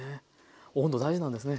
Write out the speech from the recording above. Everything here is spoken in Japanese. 温度大事なんですね。